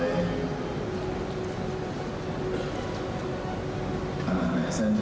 hujan manderes adera way